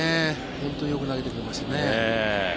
本当によく投げてくれましたね。